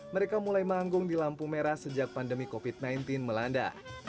mereka mulai manggung di lampu merah sejak pandemi covid sembilan belas melanda